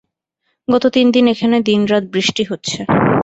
গত তিন দিন এখানে দিনরাত বৃষ্টি হচ্ছে।